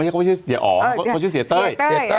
โคตรชื่อเสียเต้ย